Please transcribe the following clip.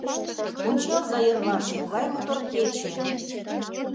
Ончалза йырваш: могай мотор кече...